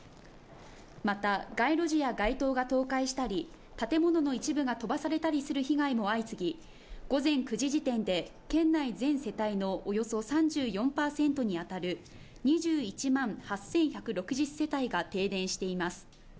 また、街路樹や街灯が倒壊したり、建物の一部が飛ばされたりする被害も相次ぎ午前９時時点で県内全世帯のおよそ３４％に当たる２１万８１６０世帯が停電しています。